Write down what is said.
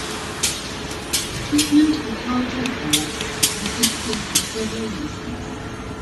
Treatment of hydrothorax is difficult for several reasons.